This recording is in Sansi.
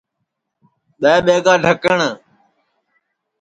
دؔے ٻیگا ڈھکٹؔ